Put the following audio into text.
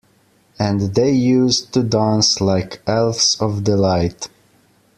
And they used to dance like elves of delight.